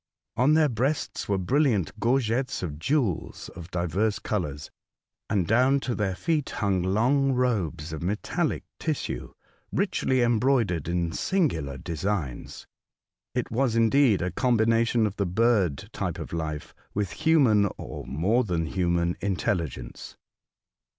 On their breasts were brilliant gorgets of jew^els of divers colours, and down to their feet hung long robes of metallic tissue, richly embroidered in singular designs. It was indeed a combination of the bird type of life with human, or more than human, intelligence.